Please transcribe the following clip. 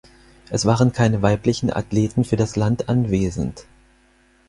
Es waren keine weiblichen Athleten für das Land anwesend.